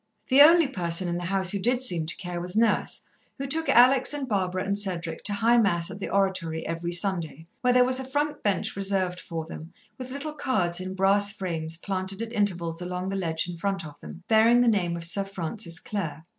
The only person in the house who did seem to care was Nurse, who took Alex and Barbara and Cedric to High Mass at the Oratory every Sunday, where there was a front bench reserved for them, with little cards in brass frames planted at intervals along the ledge in front of them, bearing the name of Sir Francis Clare.